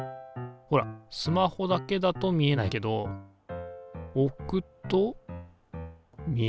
ほらスマホだけだと見えないけど置くと見える。